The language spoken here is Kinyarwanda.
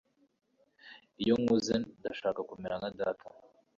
Iyo nkuze ndashaka kumera nka data